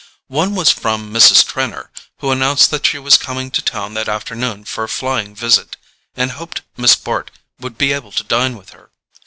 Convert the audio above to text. One was from Mrs. Trenor, who announced that she was coming to town that afternoon for a flying visit, and hoped Miss Bart would be able to dine with her.